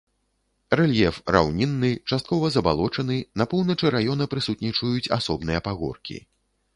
Рэльеф раўнінны, часткова забалочаны, на поўначы раёна прысутнічаюць асобныя пагоркі.